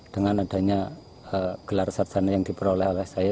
dengan adanya gelar sarjana yang diperoleh oleh saya